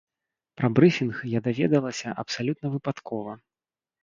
Пра брыфінг я даведалася абсалютна выпадкова.